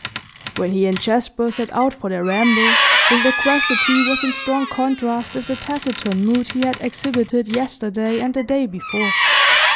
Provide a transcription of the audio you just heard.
When he and Jasper set out for their ramble, his loquacity was in strong contrast with the taciturn mood he had exhibited yesterday and the day before.